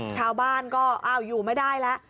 ชาวบ้านก็อ้าวอยู่ไม่ได้แล้ว